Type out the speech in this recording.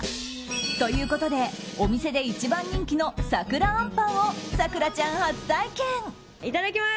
ということでお店で一番人気の桜あんぱんをいただきます！